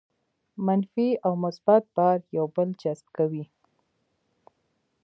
منفي او مثبت بار یو بل جذب کوي.